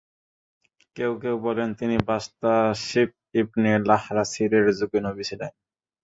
কেউ কেউ বলেন, তিনি বাশতাসিব ইবন লাহরাসিরের যুগে নবী ছিলেন।